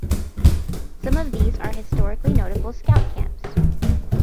Some of these are historically notable Scout camps.